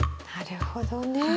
なるほどね。